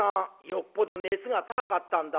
よっぽど熱が高かったんだね